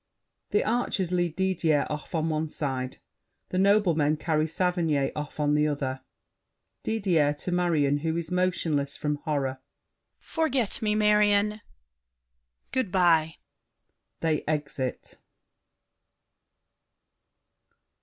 [The Archers lead Didier off on one side, the noblemen carry Saverny off on the other. DIDIER (to Marion, who is motionless from horror). Forget me, Marion. Good by! [They exit.